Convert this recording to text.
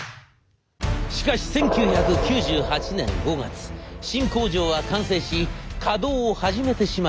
しかし１９９８年５月新工場は完成し稼働を始めてしまいました。